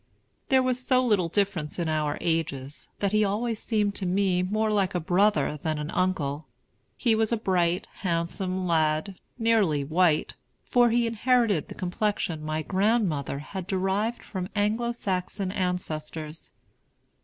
There was so little difference in our ages, that he always seemed to me more like a brother than an uncle. He was a bright, handsome lad, nearly white; for he inherited the complexion my grandmother had derived from Anglo Saxon ancestors.